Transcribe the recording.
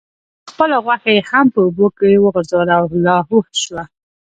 خپله غوښه یې هم په اوبو کې وغورځیده او لاهو شوه.